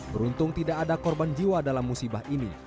beruntung tidak ada korban jiwa dalam musibah ini